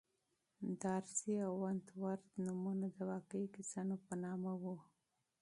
دارسي او ونت وُرث نومونه د واقعي کسانو په نامه وو.